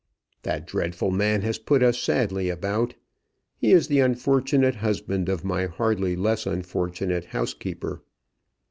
That dreadful man has put us sadly about. He is the unfortunate husband of my hardly less unfortunate housekeeper."